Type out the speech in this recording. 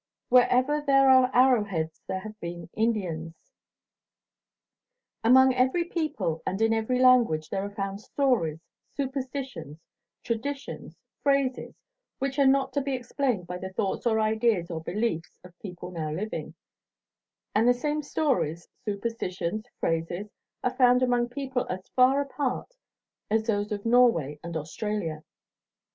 Wherever there are arrow heads there have been Indians. Among every people and in every language there are found stories, superstitions, traditions, phrases, which are not to be explained by the thoughts or ideas or beliefs of people now living; and the same stories, superstitions, phrases, are found among people as far apart as those of Norway and Australia.